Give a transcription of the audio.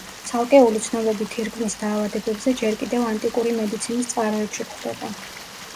ცალკეული ცნობები თირკმლის დაავადებებზე ჯერ კიდევ ანტიკური მედიცინის წყაროებში გვხვდება.